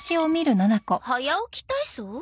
早起き体操？